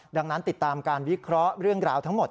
ดังนั้นติดตามการวิเคราะห์เรื่องราวทั้งหมด